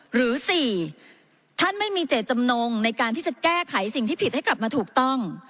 หรือ๔ท่านไม่มีเจตจำนงในการที่จะแก้ไขสิ่งที่ผิดให้กลับมาถูกต้อง